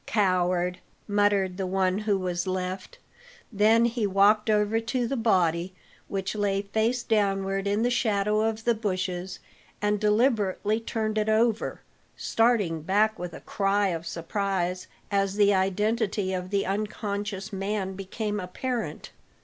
"Coward!" muttered the one who was left; then he walked over to the body, which lay face downward in the shadow of the bushes, and deliberately turned it over, starting back with a cry of surprise as the identity of the unconscious man became apparent.